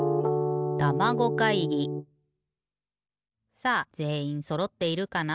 さあぜんいんそろっているかな？